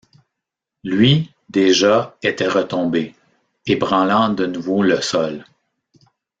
Lui, déjà, était retombé, ébranlant de nouveau le sol.